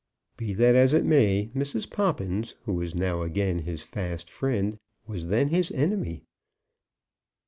Be that as it may, Mrs. Poppins, who is now again his fast friend, was then his enemy.